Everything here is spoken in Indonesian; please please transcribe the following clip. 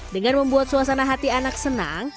dengan membuat suasana hati anak senang